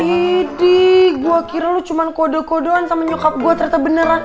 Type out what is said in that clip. idi gue kira lo cuma kode kodean sama nyokap gue ternyata beneran